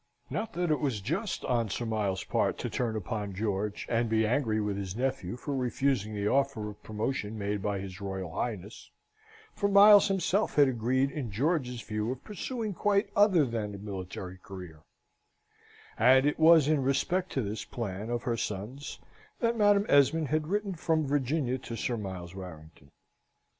Not that it was just on Sir Miles's part to turn upon George, and be angry with his nephew for refusing the offer of promotion made by his Royal Highness, for Sir Miles himself had agreed in George's view of pursuing quite other than a military career, and it was in respect to this plan of her son's that Madam Esmond had written from Virginia to Sir Miles Warrington.